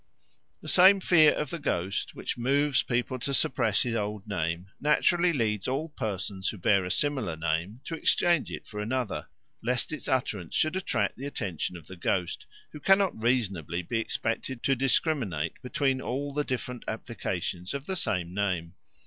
The same fear of the ghost, which moves people to suppress his old name, naturally leads all persons who bear a similar name to exchange it for another, lest its utterance should attract the attention of the ghost, who cannot reasonably be expected to discriminate between all the different applications of the same name.